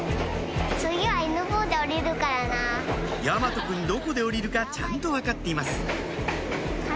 大和くんどこで降りるかちゃんと分かっています